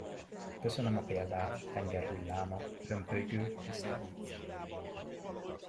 Köszönöm a példát, tenger hulláma, hömpölygő, tiszta víz!